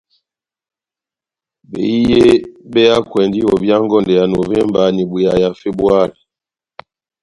Behiye be hakwɛndi ovia ngondɛ ya Novemba n'ibwea ya Febuari.